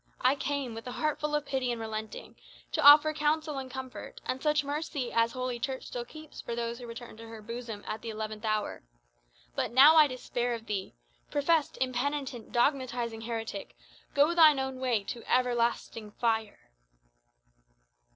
I came, with a heart full of pity and relenting, to offer counsel and comfort, and such mercy as Holy Church still keeps for those who return to her bosom at the eleventh hour. But now, I despair of thee. Professed, impenitent, dogmatizing heretic, go thine own way to everlasting fire!"